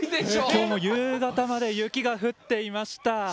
きょうも夕方まで雪が降っていました。